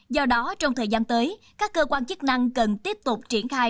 do đó trong thời gian tới các cơ quan chức năng cần tiếp tục triển khai